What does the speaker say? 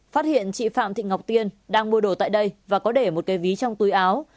phát hiện chị phạm thị ngọc tiên đang mua đồ tại đây và có để một cái ví trong túi áo